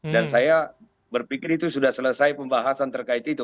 dan saya berpikir itu sudah selesai pembahasan terkait itu